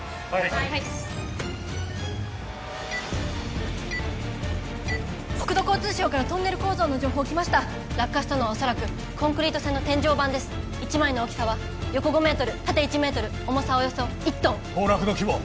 はい国土交通省からトンネル構造の情報来ました落下したのはおそらくコンクリート製の天井板です１枚の大きさは横５メートル縦１メートル重さはおよそ１トン崩落の規模は？